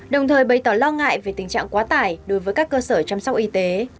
đồng thời bày tỏ lo ngại về tình trạng quá tải đối với các cơ sở chăm sóc y tế